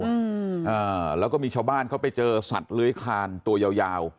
อืมอ่าแล้วก็มีชาวบ้านเขาไปเจอสัตว์เลื้อยคานตัวยาวยาว